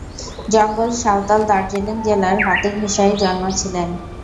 জঙ্গল সাঁওতাল দার্জিলিং জেলার হাতিঘেঁষায় জন্মেছিলেন।